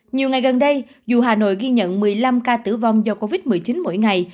nhiều ngày gần đây dù hà nội ghi nhận một mươi năm ca tử vong do covid một mươi chín mỗi ngày